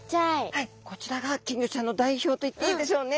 はいこちらが金魚ちゃんの代表といっていいでしょうね。